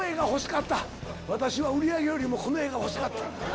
私は売り上げよりもこの画が欲しかった。